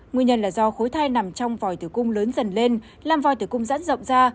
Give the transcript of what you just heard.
nguyên nhân là do khối thai nằm trong voi từ cung lớn dần lên làm voi từ cung rãn rộng ra